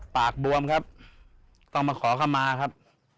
บวมครับต้องมาขอเข้ามาครับ